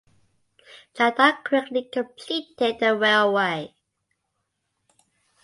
Jadot quickly completed the railway.